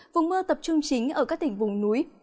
vùng mưa tập trung chính ở các tỉnh vùng núi